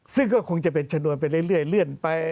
ซึ่งก็คงจะเป็นชนวนไปเรื่อยเลื่อนไป